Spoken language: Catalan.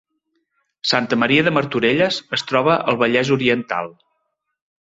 Santa Maria de Martorelles es troba al Vallès Oriental